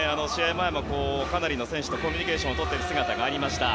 前も、かなりの選手とコミュニケーションをとる姿がありました。